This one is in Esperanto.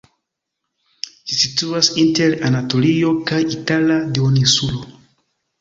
Ĝi situas inter Anatolio kaj Itala duoninsulo.